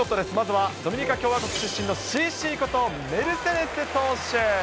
まずはドミニカ共和国出身のＣＣこと、メルセデス投手。